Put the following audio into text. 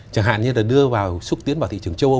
chẳng hạn như là đưa vào xúc tiến vào thị trường châu âu